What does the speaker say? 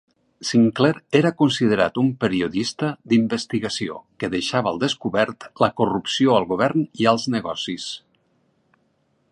Sinclair era considerat un periodista d'investigació, que deixava al descobert la corrupció al govern i als negocis.